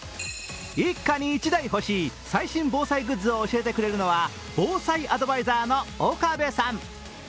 一家に１台欲しい最新防災グッズを教えてくれるのは防災アドバイザーの岡部さん。